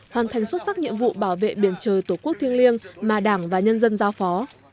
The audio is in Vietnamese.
hoàn thành xuất sắc nhiệm vụ bảo vệ biển trời tổ quốc thiêng liêng mà đảng và nhân dân giao phó